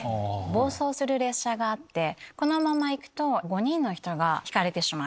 暴走する列車があってこのまま行くと５人がひかれてしまう。